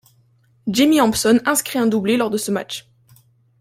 Jimmy Hampson inscrit un doublé lors de ce match.